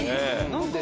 何で？